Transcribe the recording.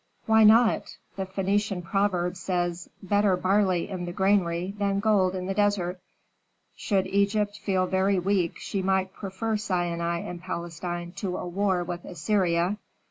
"Why not? The Phœnician proverb says: 'Better barley in the granary than gold in the desert.' Should Egypt feel very weak she might prefer Sinai and Palestine to a war with Assyria.